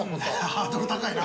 ハードル高いな。